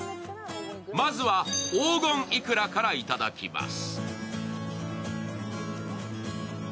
まずは黄金いくらからいただきます。